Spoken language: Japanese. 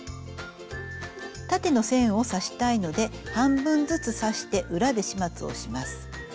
縦の線を刺したいので半分ずつ刺して裏で始末をします。